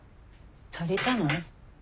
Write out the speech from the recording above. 足りたの？